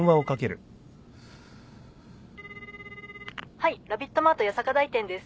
はいラビットマート八坂台店です。